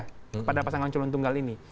kepada pasangan calon tunggal ini